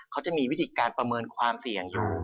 เขาจะมีวิธีการประเมินความเสี่ยงอยู่